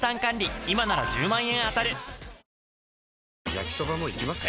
焼きソバもいきます？